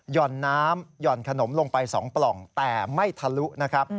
่อนน้ำหย่อนขนมลงไป๒ปล่องแต่ไม่ทะลุนะครับ